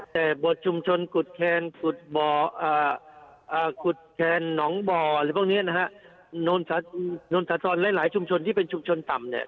แต่บทชุมชนกุฏแคลน์น้องบ่อน้วนสัตว์หลายชุมชนที่เป็นชุมชนต่ำเนี่ย